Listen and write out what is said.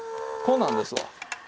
こんなんですわ。